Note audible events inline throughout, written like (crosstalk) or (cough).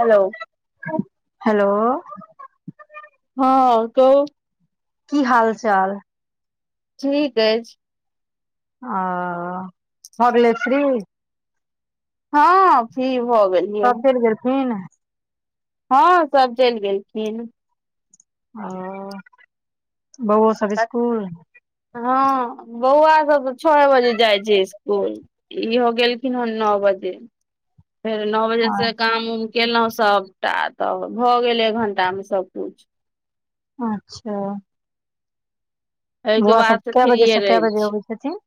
Hello. Hello. हँ कहु। की हाल चाल। ठीक अइछ। ओ, भऽ गेलै फ्री। हँ फ्री भऽ गेल। सब चलि गेलखिन। हँ, सभ चलि गेलखिन। ओ बौओ सभ इसकुल? हँ, बौआसब तऽ छओए बजे जाइत छै इसकुल। इहो गेलखिन हन नओ बजे। फेर नओ बजेसँ काम-उम केलहुँ सभटा तब भऽ गेल एक घण्टामे सभ कुछ। अच्छा। एहिके बौआसभ बाद से कए फ्रीये बजेसँ कए रहै बजे छी अबैत छथिन?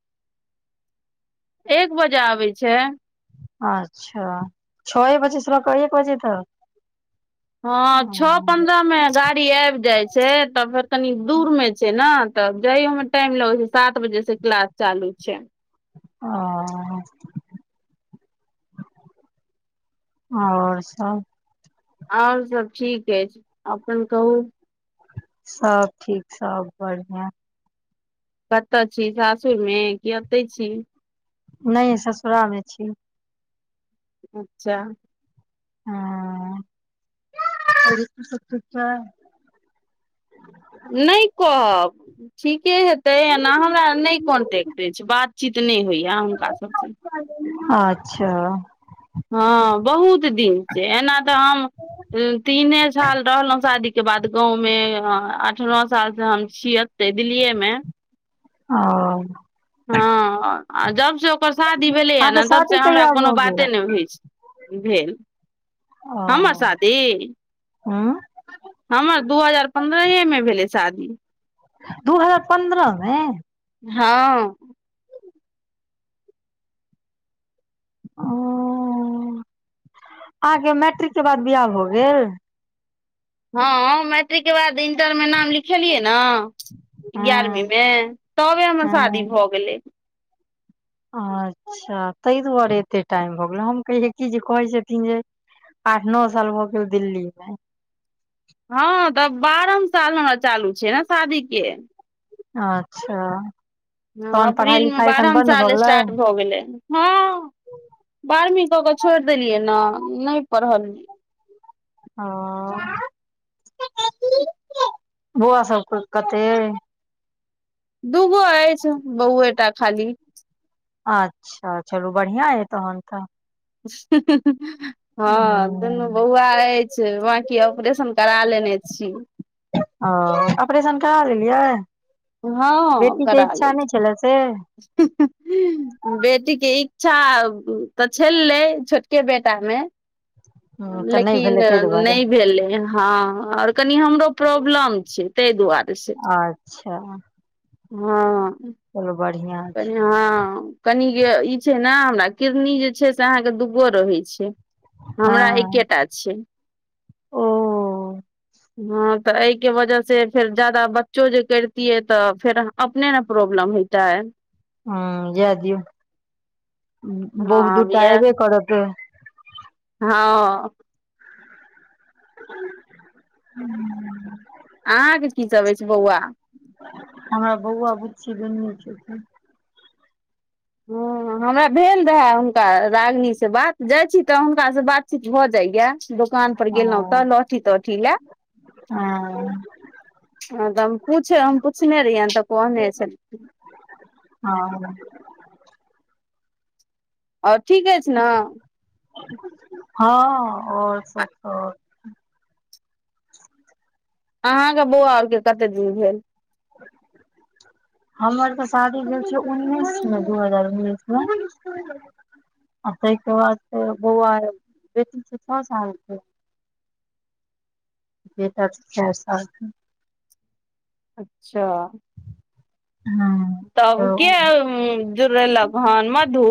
एक बजे आबैत छै। अच्छा। छओए बजेसँ लऽ कऽ एक बजे तक? ओ हँ, छओ पन्द्रहमे गाड़ी आबि जाइत छै, तऽ फेर कनी दूरमे छै ने। तब जाइयो मे टाइम लगैत छै। सात बजेसँ क्लास चालू छै। ओ। आओरसभ? आओरसभ ठीक अछि। अपन कहू। सभ ठीक सभ बढ़िआँ। कतय छी सासुरमे, की एतहि छी? नहि, ससुरालमे छी हम। अच्छा। हँ, और (unintelligible) सभ ठीक छै? नहि कहब। ठीके हेतै, एना हमरा नहि कॉन्टैक्ट अछि। बातचीत नहि होइए हुनका सभसँ। अच्छा। हँ, बहुत दिनसँ। एना तऽ हम उम्म तीने साल रहलहुँ शादी के बाद गाँव मे। अ आठ-नओ सालसँ हम छी एतहि दिल्लीए मे। ओ। हँ, आ जबसँ ओकर शादी भेलैए अहाँके ने, तबसँ शादी हमरा कहिया कोनो भऽ गेल बाते नहि होइत छै। भेल। हमर शादी? आँ? हमर दू हजार पन्द्रहेमे भेलै शादी। दू हजार पन्द्रहमे? हँ। ओ, अहाँके मैट्रिक के बाद बिआह भऽ गेल? हँ, मैट्रिक के बाद इंटर मे नाम लिखेलियै ने ग्यारहवीं हँ मे, तबे हमर शादी हँ भऽ गेलै। अच्छा, ताहि दुआरे एतेक टाइम भऽ गेलै। हम कहियै की जे कहैत छथिन जे आठ-नओ साल भऽ गेल दिल्लीमे। हँ, तऽ बारहम साल हमरा चालू छै ने शादी के। अच्छा। हँ तहन पढ़ाई अप्रीलमे लिखाई एखन बारहम बन्द भऽ साल गेलै स्टार्ट भऽ गेलै। हँ, बारहवीं कऽ कऽ छोड़ि देलियै ने। नहि पढ़लियै। ओ, बौआसभ क कतेक अइ? दू गो अछि बौए टा खाली। अच्छा, चलू बढ़िआँ अइ तहन तऽ। ओ हँ। दुनू बौआ अछि, बाँकी ऑपरेशन करा लेने छी। ओ ऑपरेशन करा लेलियै, बेटीक के इच्छा नइ छेलै से। हूं हूं। बेटी के इच्छा तऽ छलैऽ छोटके बेटा में। हँ तऽ नहि लेकिन भेलै ताहि दुआरे नइ भेलै हँ, आओर कनि हमरो प्रॉब्लम छै। तइ दुआरे से, अच्छा हँ। चलु बढ़ियां। छै हँ। कनीय ई छै ने, हमरा किडनी जे छै से अहाँके दूगो रहै छै। हमरा एकेटा छै। ओऽ। हँ तऽ एहिके वजह से फेर जादा बच्चों जे करितियै तऽ फेर। अपने ने प्रॉब्लम होयतै। ह जाय दियौ, बौह हँ दूटा एबेऽ इएह करत। हँ। (unintelligible) अहाँके की सभ अछि बौआ। हमरा बौआ-बुच्ची दुनू छथिन। हँ। हमरा भेल रहय हुनका रागिनी से बात, जाइ छी तऽ हुनका सॅ बातचीत भऽ जाइय। दोकान पर गेलहुँ ओ तऽ लहठी-तहठी लेय। हँ। हँ तऽ हम पूछ, हम पूछने रहियैनि तऽ कहने छेलखिन। हँ। आओर ठीक अछि नऽ। हँ आओर सब तऽ। अहाँके बौआ और के कत्ते दिन भेल। (unintelligible) हमर तऽ शादी भेल छै उन्निस में, दू हजार उन्निस में। तै के बाद तऽ बौआ छै छह साल कऽ। बेटा छह साल के। अच्छा। हँ तब तऽ के जुड़ेलक हन मधु।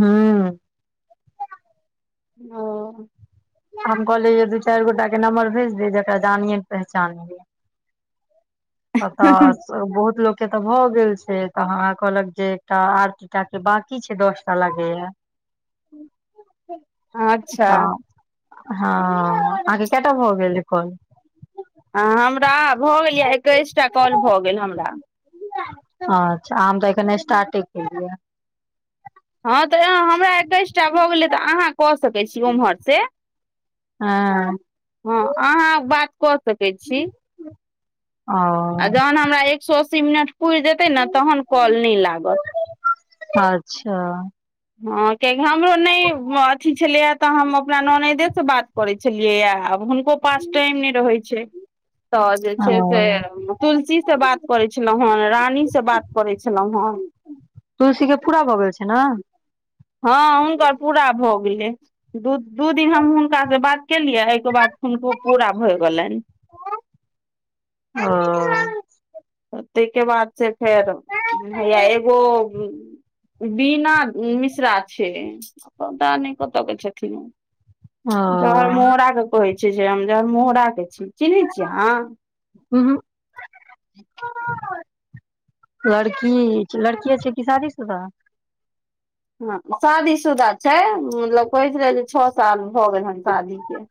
हूं। ओ। हम कॉलेज दू-चारि गोटा के नम्बर भेज दे जकरा जानिये नइ पहचानिए। पता। बहुत लोक के तऽ भए गेल छै तऽ कहलक जे एकटा आरतीटा के बा। की छै दसटा लागैय। अच्छा। हँ अहाँके कैऽ टा भऽ गेल कॉल। हां हमरा भऽ गेल य एकैस टा कॉल भऽ गेल हमरा। अच्छा, हम तऽ एखन स्टार्टे केल। हँ तऽ हमरा एकैस टा भऽ गेलै तऽ अहाँ कऽ सकै छी ओम्हर से। हँ। हँ अहाँ बात कऽ सकै छी। ओ आ जखन हमरा एक सौ अस्सी मिनट पुरि जेतै ने तखन कॉल नहि लागत। अच्छा। हँ कियाकि हमरो नहि अथि छलैए तऽ हम अपना ननैदे से बात करैत छी। छलियैए, आब हुनको पास टाइम नहि रहैत छै। तऽ जे ओ छै से तुलसी से बात करैत छलहुँ हेँ, रानी से बात करैत छलहुँ हेँ। तुलसी के पूरा बगल छै ने। हँ हुनकर पूरा भऽ गेलै। दू दू दिन हम हुनकासँ बात केलियै, एहिके बाद हुनको पूरा भऽ गेलनि। ओ। आ तै के बाद से फेर हैया एगो बीणा मिश्रा छै, पता नै कतऽ के छथिन ओ जरमुहड़ाक के कहै छै जे हम जड़मुहड़ा के छी, चिन्है छियै अहाँ? उंहुं। (inaudible) लड़की लड़की छियै कि शादीसुदा। हँ शादीसुुदा छै, मतलब कहैत रहे जे छओ साल भऽ गेल हें शादी के।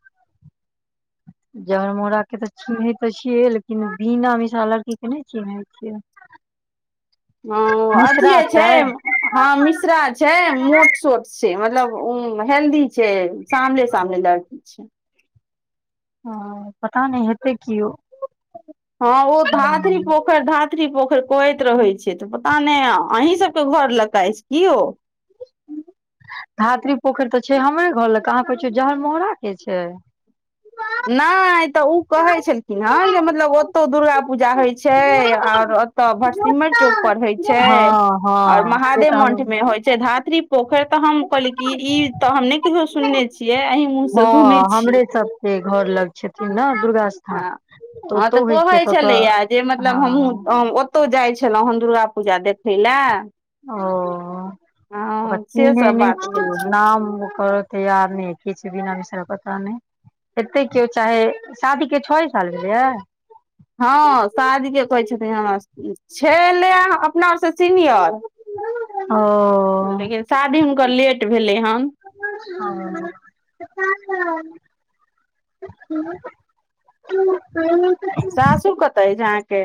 जरमोड़ा के तऽ चिन्है ते छियै लेकिन बीणा मिशा लड़की के नै चिन्है छियै। नै ओ अथिये छै। हँ मिश्रा छै मोट सोट छै मतलब हेल्दी छै सांवले सांवले लड़की। अच्छा। हं पता नै हेतै कियो। हँ ओ धातरी पो पोखरि धातरी पोखरि कहैत रहै छै, तऽ पता नैै अहीं सबके घर लग के अछि कि ओ। धात्री पोखरि तऽ छै हमरे घर लग, अहाँ कहै छियै जहरमोहड़ा के छै। नहि तऽ ओ कहैत छलखिन हेँ जे मतलब ओतहु दुर्गा पूजा होइत छै और तऽ भटसिमर चौक पर होइ छै हँ और हँ से महादेव तऽ हम मंठ में होइ छै, धात्री पोखर तऽ हम कहलियै कि ई तऽ हम नै कुछो सुनने छियै अ हँ हमरे सबके घर लग छथिन ने दुर्गा स्थान। हँ हँ तऽ ओतौ होइ छै कहैत तऽ ओतऽ छलैए जे मतलब हँ हमहूँ ओतै ओतहु जाइ छलहुँ हेन दुर्गा पूजा देखय ले। ओ ओकरा से चीन्हैं सब नै बात भेल छियै छलै नाम ओकर तैयार नहि कि छै बीना मिश्र पता नहि। हेतै के, चाहे शादी के छओ साल भेलै हा हँ शादी के कहै छथिन हमरा, छोडि दले अपना आर से सीनियर ओ। लेकिन शादी हुनकर लेट भेलै हन हं। हँ। हुं। (unintelligible) सासुर कतऽ अछि अहाँ के?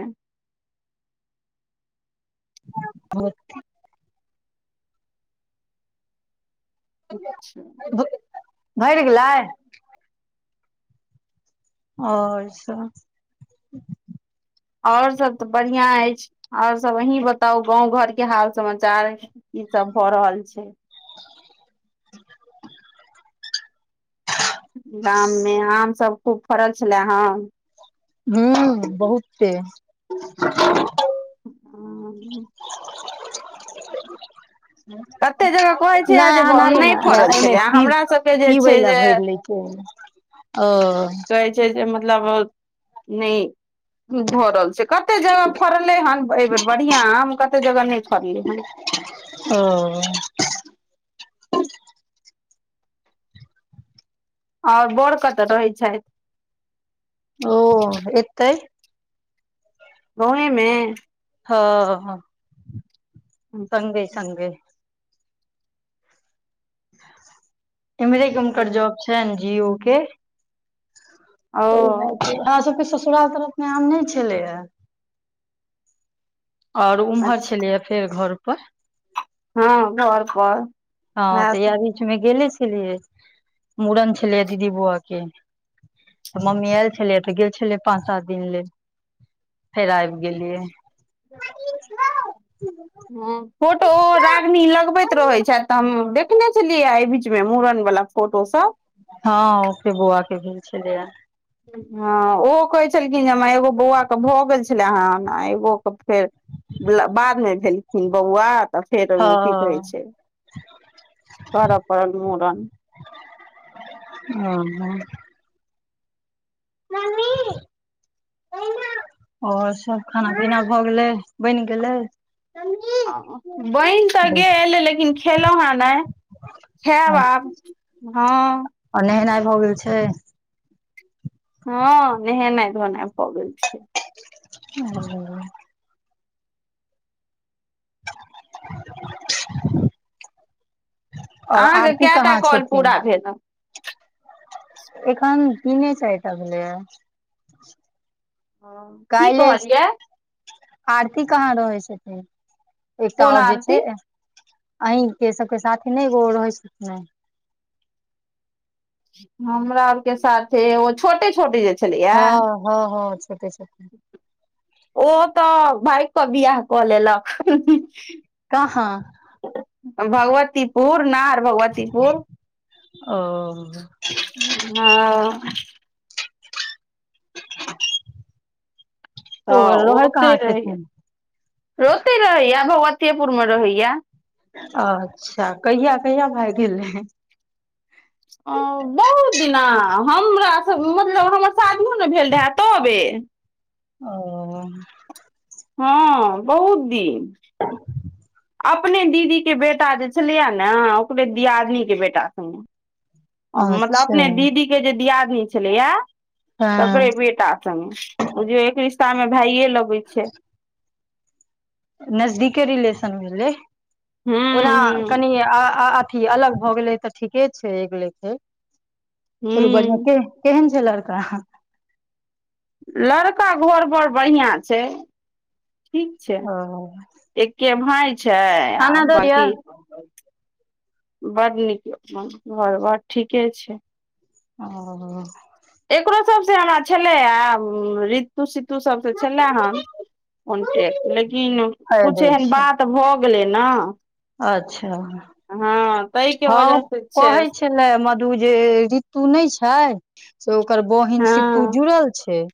(unintelligible) अच्छा। भैर गेलै। और सब। और सब तऽ बढ़िया अछि और सब अहीं बताउ गाँंव घर के हाल समाचार। कि सब भ रहल छै। गाम मे आम सब खूब। फड़ल छलेह हँ। हुँ बहुत टेस्ट। ह कते जगह कहै नै छै जे अहाँ नहा लिया नहि न हइया फड़ल अइ मे छलै पीब हमरा सबके जे पीबै छै ल जे भरि लै छी। ओ। कहै छै जे मतलब नहि। हुँ भरल छै कते जगह फड़लै हन एहि बेेर बढ़िआ आम कते जगह नहि फड़लै हन। ओ। ओर बर कतऽ रहै छैथ। ओ एतै। गाँवय मे। हँ संगे संगे। एम्हरेके हुनकर जॉब छैन जी ओ के। त ऊ ओ लोलहा सबके ससुराल तरफ मे आम नहि छलैय। ओर उम्हर अच्छा छलैया फेर घर पर। ह घर पर। ह त हैत इएह बीचमे गेले छलियै मुड़न छलै दीदी बौआ के। त मम्मी आयल छलै त गेल छलै पाँच सात दिन लेल। फेर आबि गेलियै। हऽ फोटो ओ रागनी लगबैत रहै छैथ। त हम देखने छलियए एहि बीच मे मुड़न वाला फोटो सब। हऽ ओेतै बौआ के भेल छलैया। ह ओहो कहै छलखिन जे हमा एगो बौआ के भगेल छल ह एगो के फेर बला बाद मे भेलखिन बौआ। त फेर उम की कहै हँ छै करऽ पड़ल मुड़न। ह ह। नानी और सब खाना-पीना भ गेलै बैन गेलै। बैन तऽ गेल लेकिन खेलौ हें नैय खेब आब हऽ। ओर नहेनाय भऽ गेल छैय? हऽ नहेनैय धोनाय भ गेल छैय। (inaudible) और अहाँके आरती कएटा काहाँ कॉल छथिन? पूरा भेल न? एखन तिने चैर टा भेलैया। की कैल्हे स कहलियै आरती कहाँ रहै छथिन? एकटा कोन और जेछै आरती अहीं के सबके साथे नै एगो रहै छेलखिन हे। हमरा सबके साथे एगो छोटे-छोटे जे छलैया हँ हँ हँ छोटे -छोटे, ओ तऽ भाइग क बियाह कऽ लेलक। कहाँ? भगवतीपुर नहार भगवतीपुर। ओ हँ हँ ओ रहै ओतै कहाँ रहैये, छथिन ओतै रहैये भगवतीेयेपुर मे रहैये। अच्छा कहिया- कहिया भाइग गेलै? ओ बहुत दिना हमरा सब मतलब हमर शादियो नै भेएल रहे तबे। ओ हँ अ बहुत दिन। अपने दीदीे के बेटा जे छेलैये ने ओकरे दियादनी के बेटा संगे। मतलब अच्छा अपने दीदी के जे दियादनी छलैये हँ तकरे बेटा, बुझियौ एक रिश्ता में भायये लगै छै। नजदीके रिलेशन भेलै। हूँ ओना कनि अ- अ-अथी अलग भऽ गेलै तऽ ठीके छै एक लेखे। चलू बढ़ियां हूं के, केहेन छै लड़का? लड़का घर बड़ बढ़ियां छय, ठीक छै। ओ एक्के भाय छय आ खाना दऽ दिअ बांकी बड नीक अपन घर बड़ ठीके छैय। ओ एकरो सब सँ हमरा छलै आब रित रीतू-सीतू सब से छलेऽ हन कन्टेक्ट लेकिन खा कुछ दै एहन छै बात भऽ गेल भ गेलै न। अच्छा हँ ताहिके हँ ओ वजह से छै कहै छलै मधु जे रीतु नै छैय। से ओकर बहिन हँ सीत्तू जुड़ल छैय।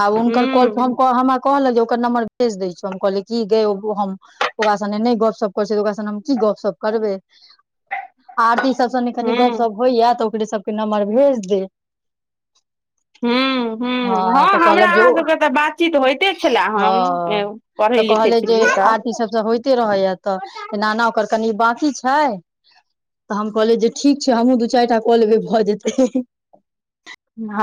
आब हुनकर कॉल हूँ पर हमरा कहलैथ जे ओकर नम्बर भेज दै छियौ हम कहलियै की गै ओ हम ओकरा सने नैय गपशप करै छियै त ओकरा सने हम की गपशप करबै आरती सब सने कनि गप- हूँ सप होयये त ओकरे सब के नम्बर भेज दे। हूँ हूँ हॅं हँ हमरा मतलब जो अहाँ सबके तऽ बातचीत होइते छलए ह हन अ पढ़ै त लिखै कहलैथ जे छलियै तऽ आरती ई सब त होइते रहैये तऽ एना एना ओकर कनी बांकी छय तऽ हम कहलियै जे ठीक छै हमहूँ दू चाइर टा कऽ लेबै भऽ जेतै। हँ